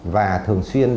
và thường xuyên